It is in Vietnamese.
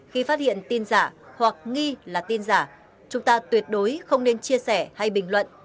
khi phát hiện tin giả hoặc nghi là tin giả chúng ta tuyệt đối không nên chia sẻ hay bình luận